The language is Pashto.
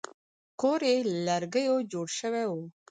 کور یې له لرګیو جوړ شوی و.